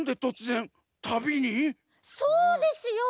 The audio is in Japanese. そうですよ！